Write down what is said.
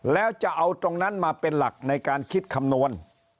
แล้วจะเอาตรงนั้นมาเป็นหลักในการคิดคำนวณ